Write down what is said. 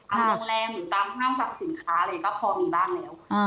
โรงแรมหรือตามห้างสรรพสินค้าอะไรก็พอมีบ้างแล้ว